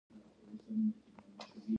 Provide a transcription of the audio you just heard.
دا ښځه ما له هغه وخته پیژانده.